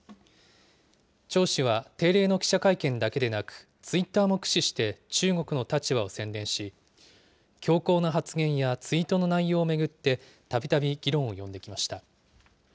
趙氏は定例の記者会見だけでなく、ツイッターも駆使して中国の立場を宣伝し、強硬な発言やツイートの内容を巡って、たびたび議論を呼んできました。